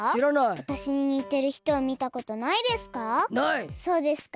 わたしににてるひとみたことないですか？